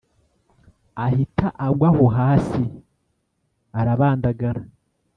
ahita agwaho hasi arabandagara